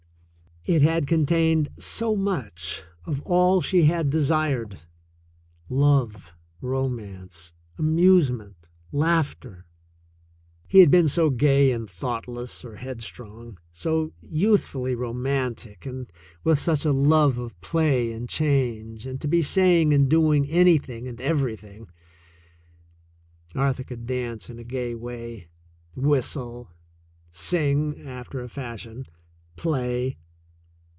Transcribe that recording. It had contained so much of all she had desired — love, romance, amusement, laughter. He had been so gay and thoughtless, or headstrong, so youthfully romantic, and with such a love of play and change and to be saying and doing anything and everything. Arthur could dance in a gay way, whistle, sing after a fashion, play.